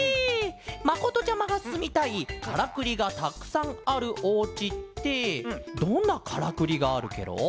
まことちゃまがすみたいカラクリがたくさんあるおうちってどんなカラクリがあるケロ？